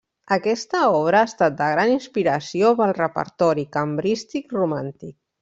Aquesta obra ha estat de gran inspiració pel repertori cambrístic romàntic.